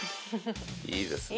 いいですね。